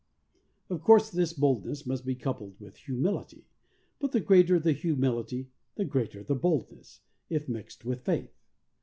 Of course this boldness must be coupled with humility, but the greater the humility, the greater the boldness, if mixed with faith.